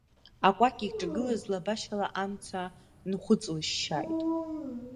Акәакь икҿагылаз лабашьала амца нхәыҵлышьшьааит.